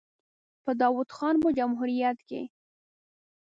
په داوود خان په جمهوریت کې.